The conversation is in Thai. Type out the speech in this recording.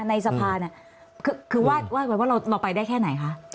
ในสภาคือว่าเราออกไปได้แค่ไหนคะ